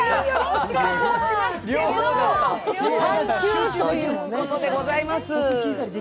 産休ということでございます。